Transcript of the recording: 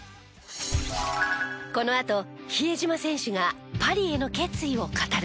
このあと比江島選手がパリへの決意を語る。